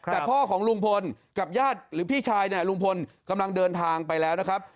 แต่พ่อของลุงพลกับญาติหรือพี่ชายเนี่ยลุงพลกำลังเดินทางไปแล้วนะครับ